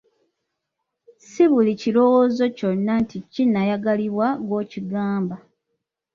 Si buli kirowoozo kyonna nti kinaayagalibwa gwokigamba.